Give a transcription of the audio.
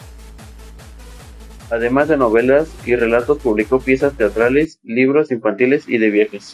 Además de novelas y relatos publicó piezas teatrales, libros infantiles y de viajes.